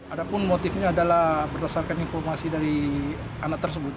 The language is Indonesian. ada pun motifnya adalah berdasarkan informasi dari anak tersebut